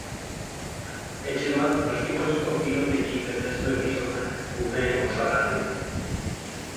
Etxe bat plastikozko pilotekin bete zuen gizonak, umeen gozagarri.